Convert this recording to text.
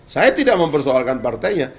saya tidak mempersoalkan partainya